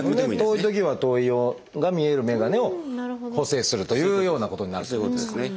遠いときは遠い用が見えるメガネを補正するというようなことになるってことですか。